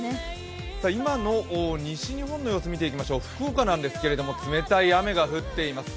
今の西日本の様子、見ていきましょう、福岡なんですけれども冷たい雨が降っています。